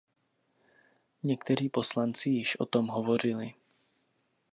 Někteří poslanci již o tom hovořili.